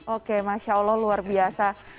oke masya allah luar biasa